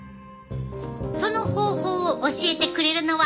その方法を教えてくれるのは。